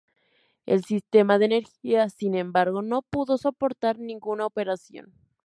El sistema de energía, sin embargo, no pudo soportar ninguna operación.